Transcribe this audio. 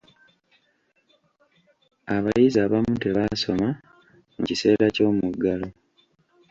Abayizi abamu tebaasoma mu kiseera ky'omuggalo.